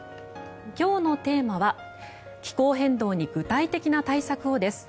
今日のテーマは「気候変動に具体的な対策を」です。